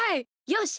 よし！